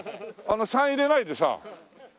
「３」入れないでさ。